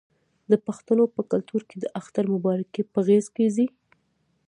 د پښتنو په کلتور کې د اختر مبارکي په غیږ کیږي.